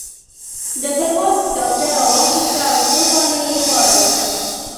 ډګروال کتابچه راواخیسته او څو پاڼې یې واړولې